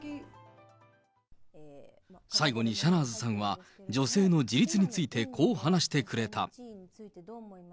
最後にシャナーズさんは、女性の自立についてこう話してくれた。